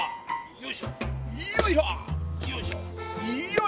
よいしょ。